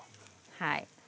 はい。